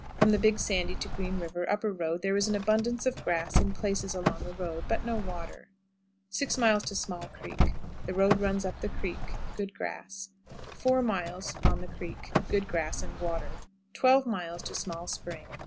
From the Big Sandy to Green River (upper road) there is an abundance of grass in places along the road, but no water. 6. Small Creek. The road runs up the creek. Good grass. 4. On the Creek. Good grass and water. 12. Small Spring.